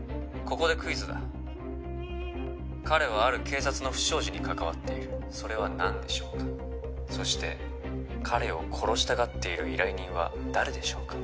ここでクイズだ彼はある警察の不祥事に関わっているそれは何でしょうかそして彼を殺したがっている依頼人は誰でしょうか？